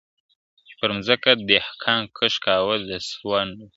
چي پر مځکه دهقان کښت کاوه د سونډو..